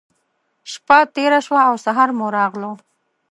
شپّه تېره شوه او سهار مو راغلو.